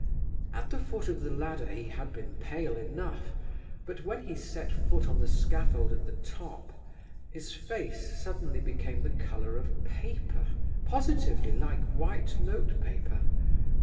At the foot of the ladder he had been pale enough; but when he set foot on the scaffold at the top, his face suddenly became the colour of paper, positively like white notepaper.